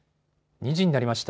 ２時になりました。